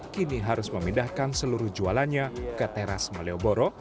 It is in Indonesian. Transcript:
kini harus memindahkan seluruh jualannya ke teras malioboro